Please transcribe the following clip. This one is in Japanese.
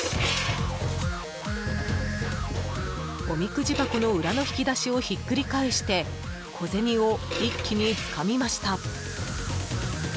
おみくじ箱の裏の引き出しをひっくり返して小銭を一気につかみました。